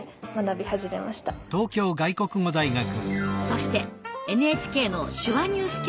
そしてＮＨＫの「手話ニュース」